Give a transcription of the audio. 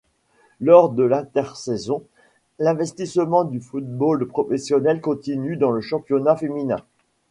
Lors de l'intersaison, l'investissement du football professionnel continue dans le championnat féminin.